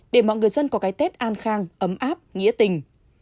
để mọi người dân có cái tết an khang ấm áp nghĩa tình